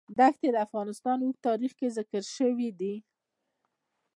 دښتې د افغانستان په اوږده تاریخ کې ذکر شوی دی.